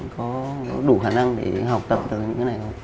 có đủ khả năng để học tập từ những cái này